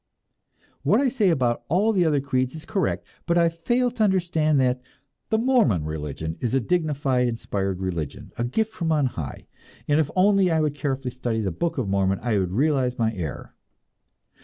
What I say about all the other creeds is correct but I fail to understand that the Mormon religion is a dignified and inspired religion, a gift from on high, and if only I would carefully study the "Book of Mormon," I would realize my error!